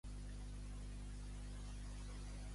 Parla d'una àvia i un ionqui.